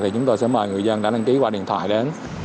thì chúng tôi sẽ mời người dân đã đăng ký qua điện thoại đến